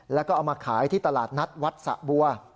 แล้วก็เอามาขายที่ตลาดนัดวัดสะบัว